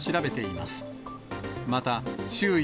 また周囲